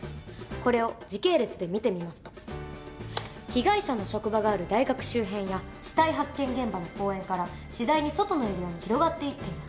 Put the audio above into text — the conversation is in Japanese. これを時系列で見てみますと被害者の職場がある大学周辺や死体発見現場の公園から次第に外のエリアに広がっていっています。